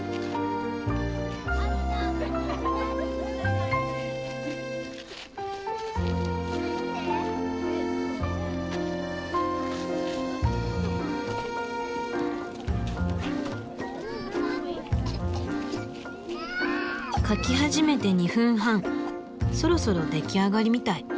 描き始めて２分半そろそろ出来上がりみたい。